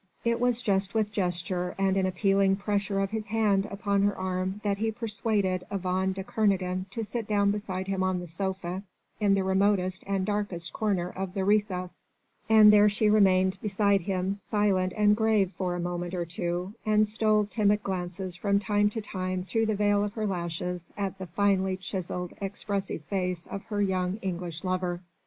It was just with gesture and an appealing pressure of his hand upon her arm that he persuaded Yvonne de Kernogan to sit down beside him on the sofa in the remotest and darkest corner of the recess, and there she remained beside him silent and grave for a moment or two, and stole timid glances from time to time through the veil of her lashes at the finely chiselled, expressive face of her young English lover.